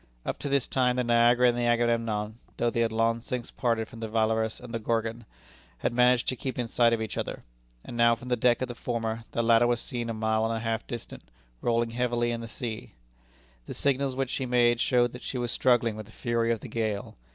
Up to this time the Niagara and the Agamemnon (though they had long since parted from the Valorous and the Gorgon) had managed to keep in sight of each other; and now from the deck of the former the latter was seen a mile and a half distant, rolling heavily in the sea. The signals which she made showed that she was struggling with the fury of the gale.